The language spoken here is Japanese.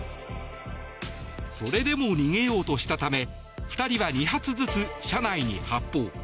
それでも逃げようとしたため２人は２発ずつ車内に発砲。